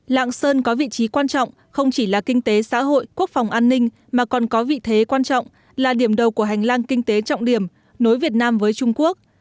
lạng sơn có vị trí quan trọng không chỉ là kinh tế xã hội quốc phòng an ninh mà còn có vị thế quan trọng là điểm đầu của hành lang kinh tế trọng điểm nối việt nam với trung quốc